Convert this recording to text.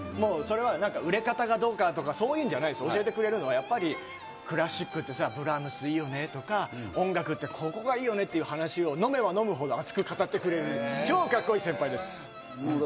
売れ方がどうとか、そういうことじゃなくて、クラシックって、ブラームスいいよねとか、音楽、ここがいいよねっていうことを飲めば飲むほど熱く語ってくれる超カッコいい先輩です。